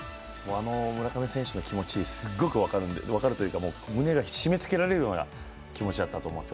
あの村上選手の気持ち、すごく分かるというか胸が締めつけられるような気持ちだったと思うんです。